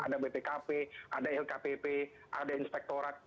ada bpkp ada lkpp ada inspektorat